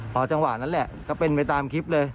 พอจังหวะนั้นแหละก็เป็นไปตามคลิปเลย